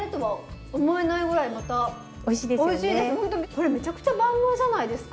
これめちゃくちゃ万能じゃないですか？